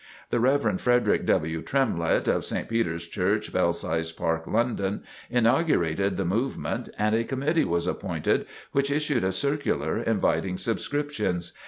The Rev. Frederick W. Tremlett, of St Peter's Church, Belsize Park, London, inaugurated the movement and a committee was appointed which issued a circular inviting subscriptions.